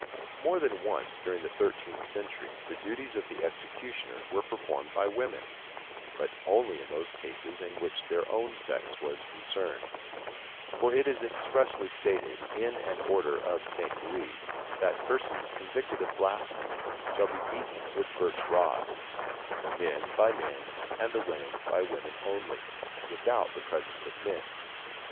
] More than once during the thirteenth century the duties of the executioner were performed by women, but only in those cases in which their own sex was concerned; for it is expressly stated in an order of St. Louis, that persons convicted of blasphemy shall be beaten with birch rods, "the men by men, and the women by women only, without the presence of men."